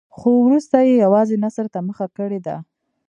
خو وروسته یې یوازې نثر ته مخه کړې ده.